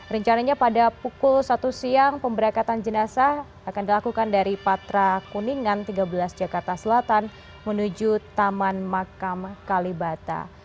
rencananya pada pukul satu siang pemberangkatan jenazah akan dilakukan dari patra kuningan tiga belas jakarta selatan menuju taman makam kalibata